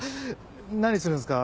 何するんすか？